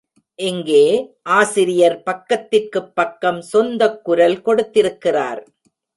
இங்கே, ஆசிரியர் பக்கத்திற்குப் பக்கம் சொந்தக் குரல் கொடுத்திருக்கிறார்!